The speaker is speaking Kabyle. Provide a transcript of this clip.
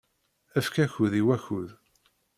Efk akud i wakud